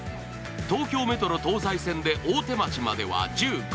東京メトロ東西線で大手町までは１５分。